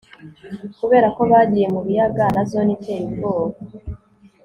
Kuberako bagiye mu biyaga na Zone iteye ubwoba